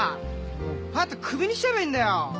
もうパーッとクビにしちゃえばいいんだよ。